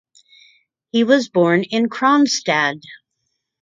He was born in Kronstadt.